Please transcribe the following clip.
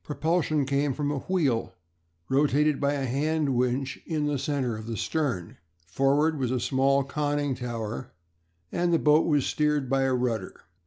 Propulsion came from a wheel, rotated by a hand winch, in the centre of the stern; forward was a small conning tower, and the boat was steered by a rudder.